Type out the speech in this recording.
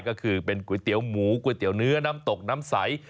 ก็คือเป็นก๋วยเตี๋ยวหมูก๋วยเตี๋ยเนื้อน้ำตกน้ำใส